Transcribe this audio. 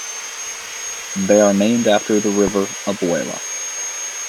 They are named after the river Albula.